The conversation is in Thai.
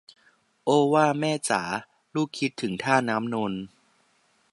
โอ้ว่าแม่จ๋า ลูกคิดถึงท่าน้ำนนท์